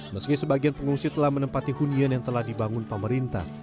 meski sebagian pengungsi telah menempati hunian yang telah dibangun pemerintah